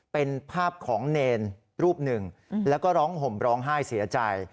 เป็นภาพของเนรรูปหนึ่งแล้วก็ร้องห่มร้องไห้เสียใจ